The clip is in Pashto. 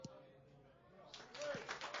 کوتره ډېر ژر عادت کېږي.